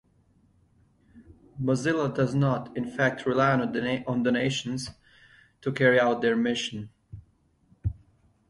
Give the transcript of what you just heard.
Mozilla does not, in fact, “rely on donations” to carry out their mission.